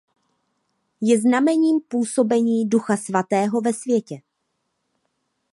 Je znamením působení Ducha svatého ve světě.